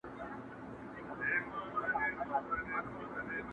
یم عاجز دي له توصیفه چي مغرور نه سې چناره.